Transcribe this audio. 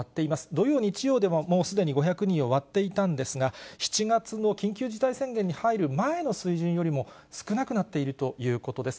土曜、日曜でももうすでに５００人を割っていたんですが、７月の緊急事態宣言に入る前の水準よりも、少なくなっているということです。